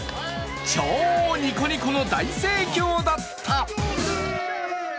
超ニコニコの大盛況だった。